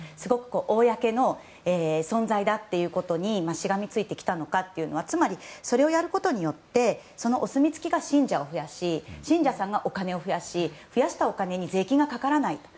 公の存在だということにしがみついてきたのかというのはつまり、それをやることでそのお墨付きが信者を増やし信者さんがお金を増やし増やしたお金に税金がかからない。